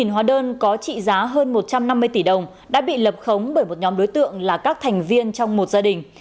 một mươi hóa đơn có trị giá hơn một trăm năm mươi tỷ đồng đã bị lập khống bởi một nhóm đối tượng là các thành viên trong một gia đình